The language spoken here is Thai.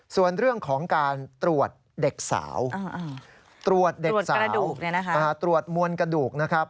ส่วนเรื่องของการตรวจเด็กสาวตรวจเด็กสาวตรวจมวลกระดูกนะครับ